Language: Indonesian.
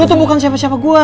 lo tuh bukan siapa siapa gue